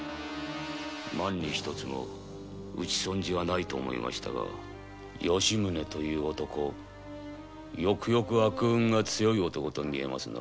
万に一つも撃ち損じはないと思いましたが吉宗という男悪運の強い男でございますな。